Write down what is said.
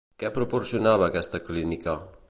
Què proporcionava aquesta clínica?